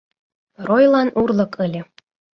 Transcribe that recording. Ройлан урлык ыле.